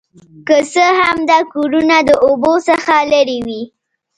که څه هم دا کورونه د اوبو څخه لرې وي